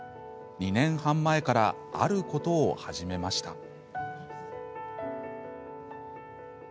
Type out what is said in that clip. ２年半前からあることを始めました。